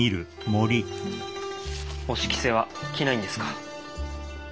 お仕着せは着ないんですか？